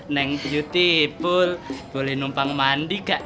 neng cutie pul boleh numpang mandi gak